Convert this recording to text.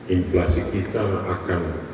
inflasi kita akan